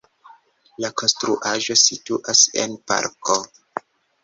La konstruaĵo situas en parko.